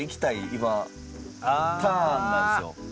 今ターンなんですよ。